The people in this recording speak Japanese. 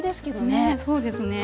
ねえそうですね。